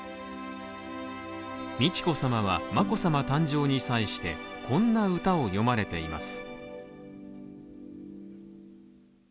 美智子さまは眞子さま誕生に際してこんな歌を詠まれています。